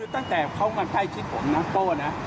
ตั้งแต่เขามาใกล้ชิดผมนะโป้นะ